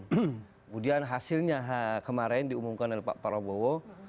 kemudian hasilnya kemarin diumumkan oleh pak prabowo